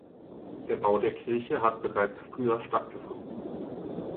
Der Bau der Kirche hat bereits früher stattgefunden.